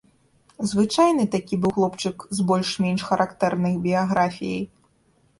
Звычайны такі быў хлопчык з больш-менш характэрнай біяграфіяй.